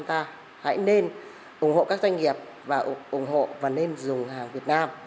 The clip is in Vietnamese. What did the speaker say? chúng ta hãy nên ủng hộ các doanh nghiệp và ủng hộ và nên dùng hàng việt nam